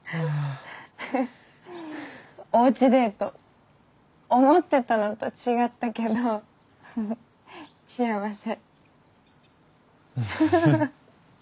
おうちデート思ってたのと違ったけど幸せ。